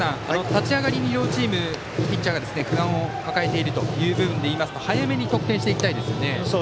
立ち上がりに両チームピッチャーが不安を抱えているという部分でいいますと早めに得点していきたいですよね。